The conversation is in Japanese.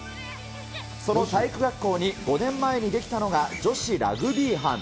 その体育学校に５年前に出来たのが女子ラグビー班。